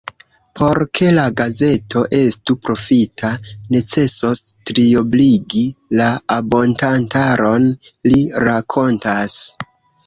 Por ke la gazeto estu profita, necesos triobligi la abontantaron, li rakontas.